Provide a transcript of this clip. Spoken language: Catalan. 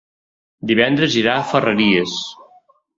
Divendres irà a Ferreries.